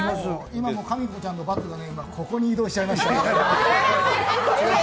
今もかみこちゃんの「×」がここに移動しちゃいました。